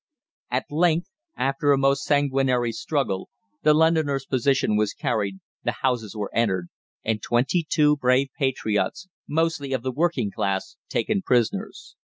At length, after a most sanguinary struggle, the Londoners' position was carried, the houses were entered, and twenty two brave patriots, mostly of the working class, taken prisoners.